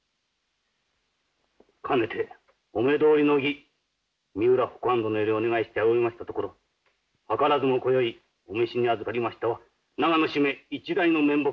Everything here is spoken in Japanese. かねてお目通りの儀三浦北庵殿よりお願いしておりましたところ図らずもこよいお召しにあずかりましたは長野主馬一代の面目とも存じます。